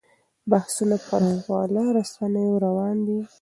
بحثونه پر خواله رسنیو روان دي.